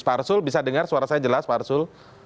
pak arsul bisa dengar suara saya jelas pak arsul